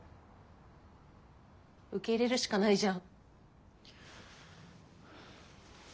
受け入れるしかないじゃん！